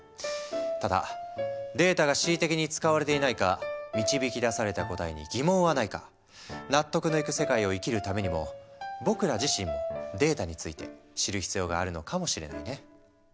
ただデータが恣意的に使われていないか導き出された答えに疑問はないか納得のいく世界を生きるためにも僕ら自身もデータについて知る必要があるのかもしれないね。